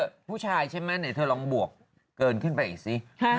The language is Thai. ถ้าเธอผู้ชายใช่ไหมเดี๋ยวเธอลองบวกเกินขึ้นไปอีกสิ